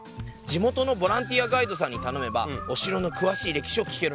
地元のボランティアガイドさんにたのめばお城のくわしい歴史を聞けるんだって。